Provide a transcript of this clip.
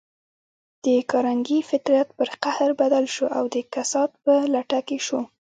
د کارنګي فطرت پر قهر بدل شو او د کسات په لټه کې شو.